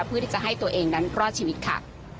เพื่อที่จะให้ตัวเองนั้นรอดชีวิตค่ะ